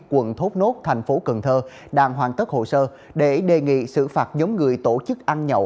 quận thốt nốt thành phố cần thơ đang hoàn tất hồ sơ để đề nghị xử phạt giống người tổ chức ăn nhậu